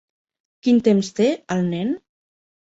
Quin temps té, el nen?